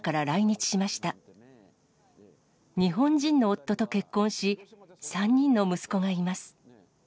日本人の夫と結婚し、３人の息子がいます。